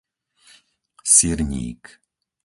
Sirník